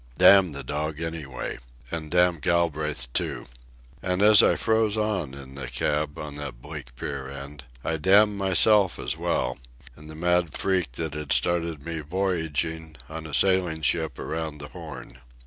Damn the dog, anyway! And damn Galbraith too! And as I froze on in the cab on that bleak pier end, I damned myself as well, and the mad freak that had started me voyaging on a sailing ship around the Horn.